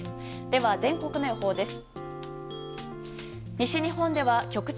では全国の予報です。